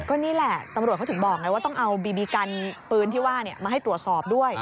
ก็นี่แหละตำรวจเขาถึงบอกไงว่าต้องเอาบีบีกันปืนที่ว่ามาให้ตรวจสอบด้วย